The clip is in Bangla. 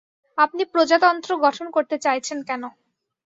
আপনি প্রজাতন্ত্র গঠন করতে চাইছেন কেন?